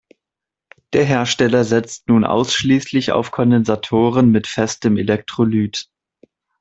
Der Hersteller setzt nun ausschließlich auf Kondensatoren mit festem Elektrolyt.